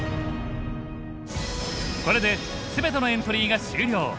これで全てのエントリーが終了！